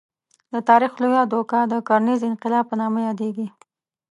د تاریخ لویه دوکه د کرنیز انقلاب په نامه یادېږي.